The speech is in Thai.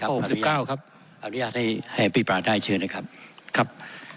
หกสิบเก้าครับอนุญาตให้ให้อภิปรายได้เชิญนะครับครับ